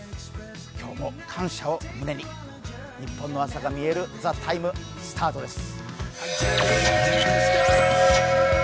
今日も感謝を胸に、ニッポンの朝がみえる「ＴＨＥＴＩＭＥ，」、スタートです。